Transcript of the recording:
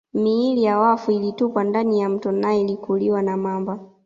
Miili ya wafu ilitupwa ndani ya mto Nile kuliwa na mamba